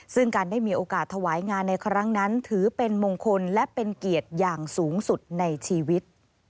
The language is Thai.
ซึ่งการได้มีโอกาสถวายงานในครั้งนั้นถือเป็นมงคลและเป็นเกียรติอย่างสูงสุดในชีวิต